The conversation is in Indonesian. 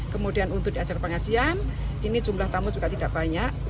kemudian untuk di acara pengajian ini jumlah tamu juga tidak banyak